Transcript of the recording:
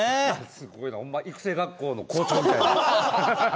ほんま育成学校の校長みたいな。